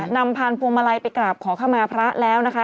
นำพานพวงมาลัยไปกราบขอเข้ามาพระแล้วนะคะ